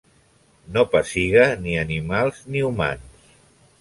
No pessiga ni animals ni humans.